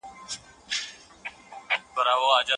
د غړیتوب لپاره نور کوم شرایط شتون لري؟